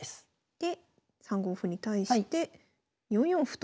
で３五歩に対して４四歩と。